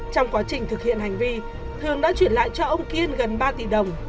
trong quá trình thực hiện hành vi hường đã chuyển lại cho ông kiên gần ba tỷ đồng